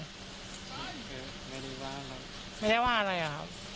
ไม่ได้ว่าอะไรไม่ได้ว่าอะไรหรอครับ